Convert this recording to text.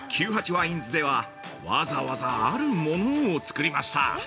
ＷＩＮＥｓではわざわざ「あるもの」をつくりました。